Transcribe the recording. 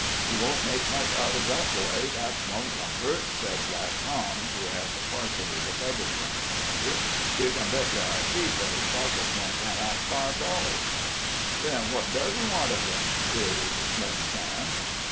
"He won't make much out uv that boy, that's one comfort," said Black Tom, who had partially recovered from his wonder. "You ken bet yer eye teeth that his pockets wouldn't pan out five dollars." "Then what does he want uv him?" queried Slim Sam.